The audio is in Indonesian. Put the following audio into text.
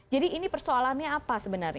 jadi ini persoalannya apa sebenarnya